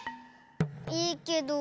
いいけど。